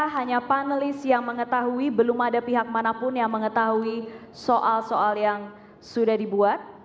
hanya panelis yang mengetahui belum ada pihak manapun yang mengetahui soal soal yang sudah dibuat